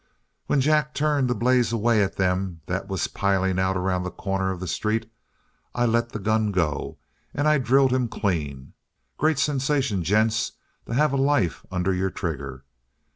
"When Jack turned to blaze away at them that was piling out around the corner of the street, I let the gun go, and I drilled him clean. Great sensation, gents, to have a life under your trigger.